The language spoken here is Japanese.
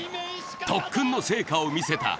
特訓の成果を見せた。